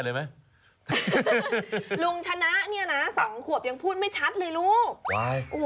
ลุงชนะ